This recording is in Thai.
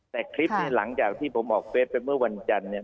แต่คลิปนี้หลังจากที่ผมออกเฟสไปเมื่อวันจันทร์เนี่ย